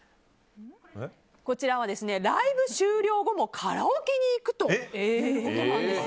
ライブ終了後もカラオケに行くということなんです。